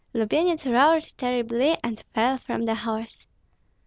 Lubyenyets roared terribly and fell from the horse.